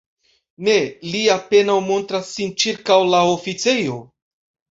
Ne, li apenaŭ montras sin ĉirkaŭ la oficejo.